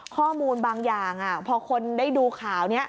ข้อมูลบางอย่างพอคนได้ดูข่าวนี้